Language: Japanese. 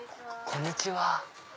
こんにちは。